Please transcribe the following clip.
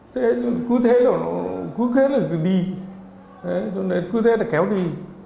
cứ thế là đi cứ thế là kéo đi